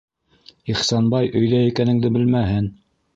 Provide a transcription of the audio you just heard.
Ихсанбай... өйҙә икәнеңде... белмәһен...